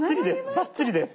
バッチリです。